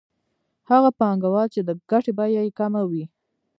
هغه پانګوال چې د ګټې بیه یې کمه وي